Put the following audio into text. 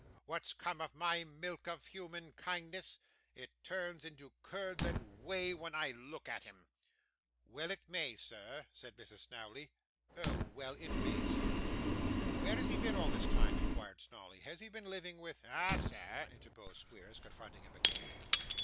What's come of my milk of human kindness? It turns into curds and whey when I look at him.' 'Well it may, sir,' said Mrs. Snawley. 'Oh! Well it may, sir.' 'Where has he been all this time?' inquired Snawley. 'Has he been living with ?' 'Ah, sir!' interposed Squeers, confronting him again.